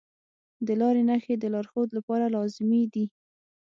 د لارې نښې د لارښود لپاره لازمي دي.